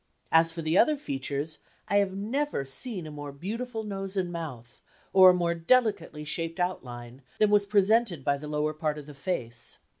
As for the other features, I had never seen a more beautiful nose and mouth, or a more delicately shaped outline, than was presented by the lower part of the face.